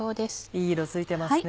いい色ついてますね。